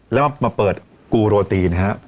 แล้วมาเปิดกูโรตีนะครับ